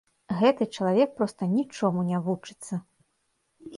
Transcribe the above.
Гэты чалавек проста нічому не вучыцца!